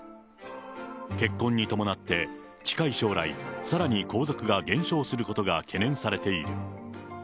結婚に伴って近い将来、さらに皇族が減少することが懸念されている。